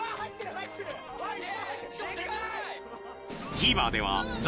ＴＶｅｒでは『ザ！